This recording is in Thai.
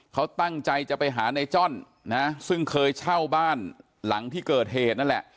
เขาตั้งใจจะไปหาในจ้อนนะซึ่งเคยเช่าบ้านหลังที่เกิดเหตุนั่นแหละ